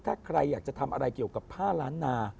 ถ้าใครอยากจะทำอะไรเกี่ยวกับผ้าล้านนา